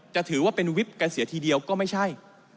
จะถือว่าเป็นวิบกันเสียทีเดียวก็ไม่ใช่